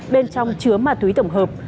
bên trong chứa ma túy tổng hợp